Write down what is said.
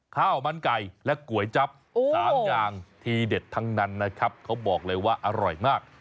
ข้าวมันไก่และก๋วยจั๊บ๓อย่างที่เด็ดทั้งนั้นนะครับเขาบอกเลยว่าอร่อยมาก